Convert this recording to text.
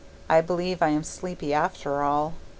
I believe I am sleepy after all.